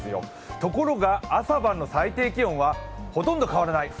ところが朝晩の最低気温はほとんど変わらない。